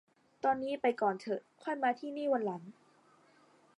ตอนนี้ไปก่อนเถอะ ค่อยมาที่นี่วันหลัง